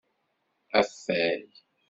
Afay.